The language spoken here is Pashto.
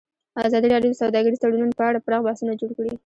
ازادي راډیو د سوداګریز تړونونه په اړه پراخ بحثونه جوړ کړي.